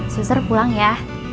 suster pulang ya